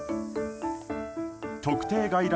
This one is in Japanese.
特定外来